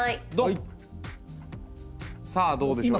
さあどうでしょう？